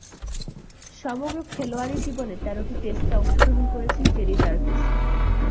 সমগ্র খেলোয়াড়ী জীবনে তেরোটি টেস্টে অংশগ্রহণ করেছেন টেরি জার্ভিস।